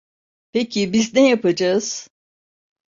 Peki biz ne yapacağız?